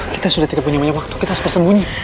kita sudah tidak punya banyak waktu kita harus bersembunyi